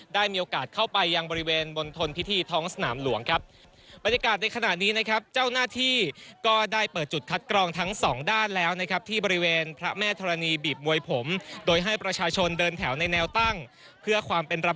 ได้มีโอกาสเข้าไปยังบริเวณบนทนพิธีท้องสนามหลวงครับ